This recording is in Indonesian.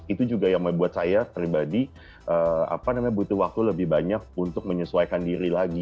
itu juga yang membuat saya pribadi butuh waktu lebih banyak untuk menyesuaikan diri lagi